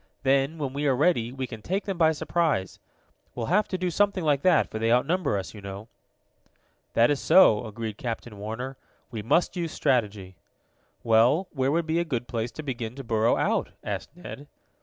Then, when we are ready, we can take them by surprise. We'll have to do something like that, for they outnumber us, you know." "That is so," agreed Captain Warner. "We must use strategy." "Well, where would be a good place to begin to burrow out?" asked Ned.